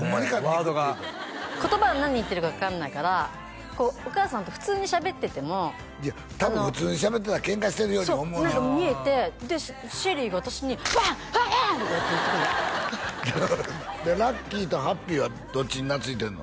ワードが言葉は何言ってるか分かんないからこうお母さんと普通にしゃべっててもいや多分普通にしゃべってたらケンカしてるように思うねんそう何か見えてでシェリーが私に「ワン！ワンワン！」とかいって言ってくるでラッキーとハッピーはどっちに懐いてるの？